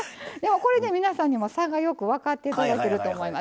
これで皆さんにも差がよく分かっていただけたと思います。